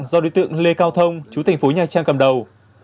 do đối tượng lê cao thông chú thành phố nha trang cầm đầu